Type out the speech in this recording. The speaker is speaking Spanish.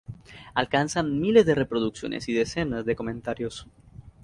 Alcanzan miles de reproducciones y decenas de comentarios.